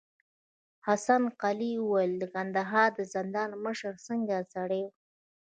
حسن قلي وويل: د کندهار د زندان مشر څنګه سړی و؟